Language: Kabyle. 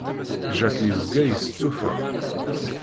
Jacques yezga yestufa.